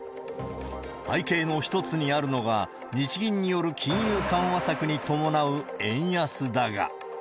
背景の一つにあるのが、日銀による金融緩和策に伴う円安だが。